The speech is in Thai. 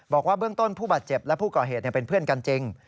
บอกว่าเบื้องต้นผู้บาดเจ็บและผู้ก่อเหตุเป็นเพื่อนกันจริง